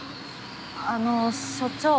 あの所長。